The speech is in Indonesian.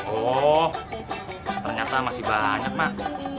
oh ternyata masih banyak mak